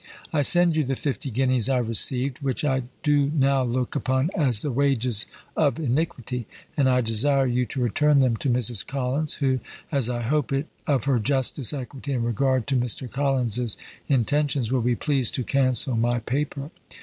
I send you the fifty guineas I received, which I do now look upon as the wages of iniquity; and I desire you to return them to Mrs. Collins, who, as I hope it of her justice, equity, and regard to Mr. Collins's intentions, will be pleased to cancel my paper.